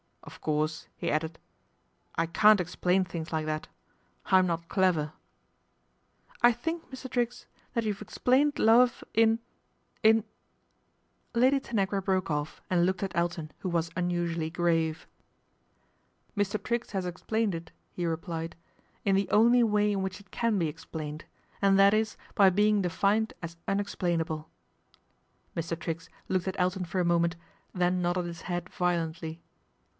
" Of course," he added, I can't explain things like that. I'm not clever." " I think, i\lr. Triggs, that you've explained >ve in in Lady Tanagra broke off and oked at Elton, who was unusually grave. 222 PATRICIA BRENT, SPINSTER " Mr. Triggs has explained it," he replied, "in the only way in which it can be explained, and that is by being defined as unexplainable." Mr. Triggs looked at Elton for a moment, then nodded his head violently.